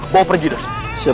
bawa pergi dah saya